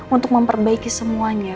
untuk memperbaiki semuanya